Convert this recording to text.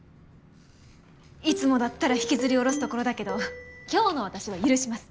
いつもだったら引きずり降ろすところだけど今日の私は許します。